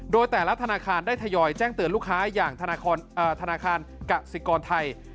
โดยแต่ละธนาคารได้ทยอยแจ้งเตือนลูกค้าอย่างธนาคารกสิกรไทย